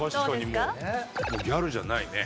もうギャルじゃないね。